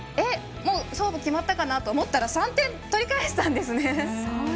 勝負決まったかなと思ったら３点取り返したんですね。